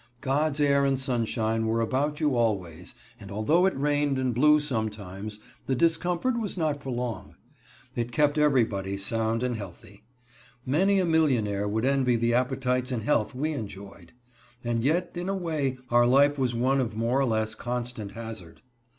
God's air and sunshine were about you always, and although it rained and blew sometimes, the discomfort was not for long. It kept everybody sound and healthy. Many a millionaire would envy the appetites and health we enjoyed. And yet, in a way, our life was one of more or less constant hazard.